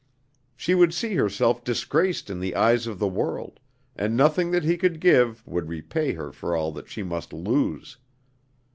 She would see herself disgraced in the eyes of the world, and nothing that he could give would repay her for all that she must lose.